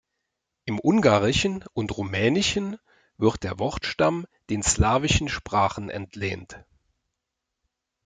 Im Ungarischen und Rumänischen wird der Wortstamm den slawischen Sprachen entlehnt.